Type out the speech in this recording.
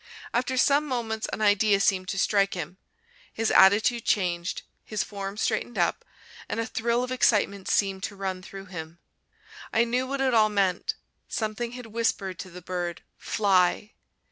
After some moments an idea seemed to strike him. His attitude changed, his form straightened up, and a thrill of excitement seemed to run through him. I knew what it all meant; something had whispered to the bird, "Fly!"